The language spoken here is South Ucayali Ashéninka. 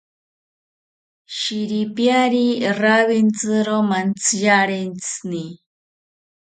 Shiripiari rawintziri mantziarentsini